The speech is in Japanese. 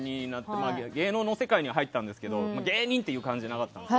芸能の世界には入ったんですけど芸人という感じじゃなかったので。